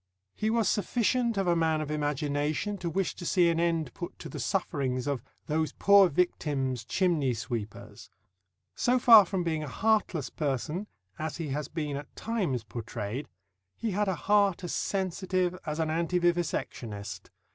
He was sufficient of a man of imagination to wish to see an end put to the sufferings of "those poor victims, chimney sweepers." So far from being a heartless person, as he has been at times portrayed, he had a heart as sensitive as an anti vivisectionist.